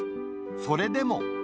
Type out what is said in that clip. それでも。